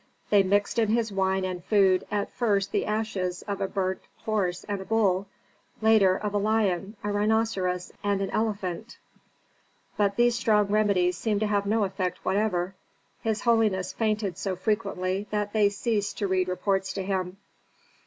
They mixed in his wine and food at first the ashes of a burnt horse and a bull; later of a lion, a rhinoceros, and an elephant; but these strong remedies seemed to have no effect whatever. His holiness fainted so frequently that they ceased to read reports to him.